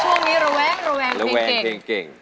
ช่วงนี้ระแวงระแวงเพลงเก่ง